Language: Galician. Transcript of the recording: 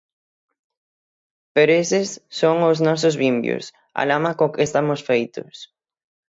Pero eses son os nosos vimbios, a lama coa que estamos feitos.